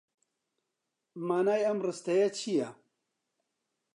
مانای ئەم ڕستەیە چییە؟